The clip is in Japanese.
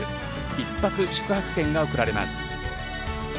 １泊宿泊券が贈られます。